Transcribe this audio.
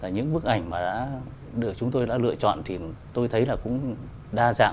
những bức ảnh mà chúng tôi đã lựa chọn thì tôi thấy là cũng đa dạng